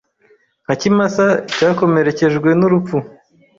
Nka kimasa cyakomerekejwe nurupfu